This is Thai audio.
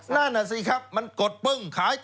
นั่นน่ะสิครับมันกดปึ้งขาย